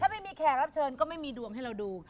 ไม่มีแขกรับเชิญก็ไม่มีดวงให้เราดู